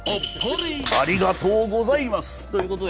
ありがとうございます。